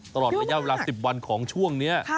ตลอดระยะเวลา๑๐วันของช่วงนี้